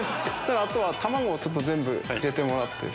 あとは卵を全部入れてもらって。